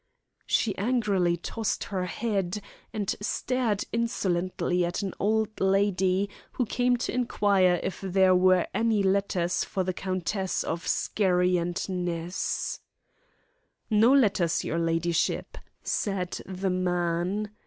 She angrily tossed her head, and stared insolently at an old lady who came to inquire if there were any letters for the Countess of Skerry and Ness. "No letters, your ladyship," said the man.